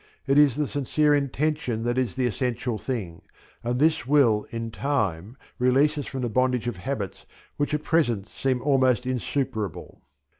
It is the sincere intention that is the essential thing, and this will in time release us from the bondage of habits which at present seem almost insuperable.